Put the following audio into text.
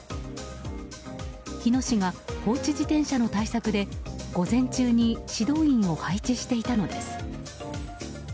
日野市が放置自転車の対策で午前中に指導員を配置していたのです。